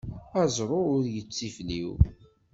Aẓru ur yettifliw.